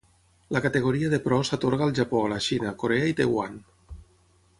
La categoria de pro s'atorga al Japó, la Xina, Corea i Taiwan.